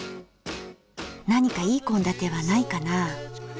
何かいい献立はないかな？